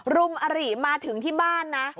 รุมอริมาถึงที่บ้านนะ